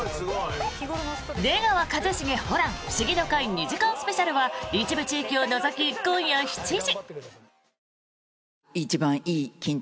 「出川一茂ホラン☆フシギの会」２時間スペシャルは一部地域を除き、今夜７時。